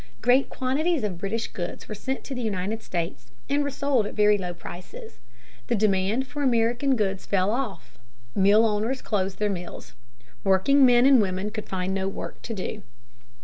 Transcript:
Great quantities of British goods were sent to the United States and were sold at very low prices. The demand for American goods fell off. Mill owners closed their mills. Working men and women could find no work to do.